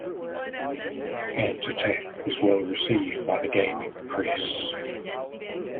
"Ant Attack" was well received by gaming press.